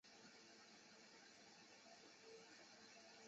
从源服务器返回的响应经过代理服务器后再传给客户端。